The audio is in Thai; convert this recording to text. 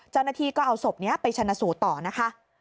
จรณาทีก็เอาศพนี้ไปชนะสูต่อนะคะ